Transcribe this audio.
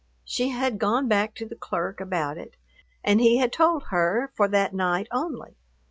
She had gone back to the clerk about it, and he had told her for that night only.